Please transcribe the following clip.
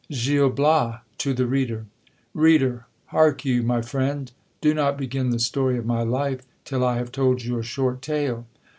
GIL BLAS TO THE READER. Reader ! hark you, my friend ! Do not begin the story of my life till I have told you a short tale.